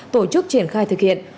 tổ chức triển khai thực hiện